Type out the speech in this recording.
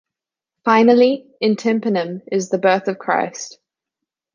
Finally, in tympanum is the Birth of Christ.